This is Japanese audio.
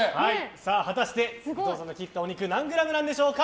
果たして伊藤さんが切ったお肉何グラムなんでしょうか。